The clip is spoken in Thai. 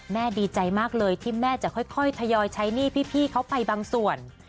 ดีใจมากเลยที่แม่จะค่อยทยอยใช้หนี้พี่เขาไปบางส่วน